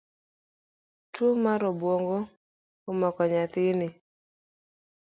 Tuo mar obuongo omako nyathini